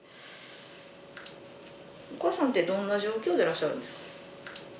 お母さんってどんな状況でいらっしゃるんですか？